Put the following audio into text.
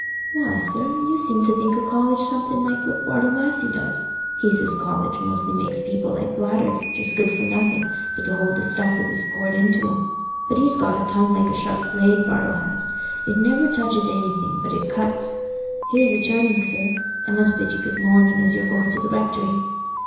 "Why, sir, you seem to think o' college something like what Bartle Massey does. He says college mostly makes people like bladders—just good for nothing but t' hold the stuff as is poured into 'em. But he's got a tongue like a sharp blade, Bartle has—it never touches anything but it cuts. Here's the turning, sir. I must bid you good morning, as you're going to the rectory."